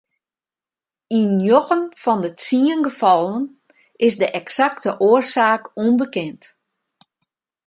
Yn njoggen fan de tsien gefallen is de eksakte oarsaak ûnbekend.